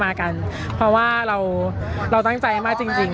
อย่างที่บอกไปว่าเรายังยึดในเรื่องของข้อ